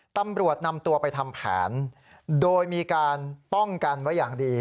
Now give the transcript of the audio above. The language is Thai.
ตำรวจนำตัวไปทำแผนโดยมีการป้องกันไว้อย่างดี